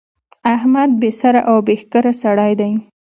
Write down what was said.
احمد بې سره او بې ښکره سړی دی.